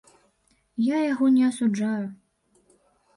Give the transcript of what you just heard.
Я яго не асуджаю.